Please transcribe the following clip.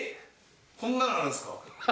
こんなのあるんですか？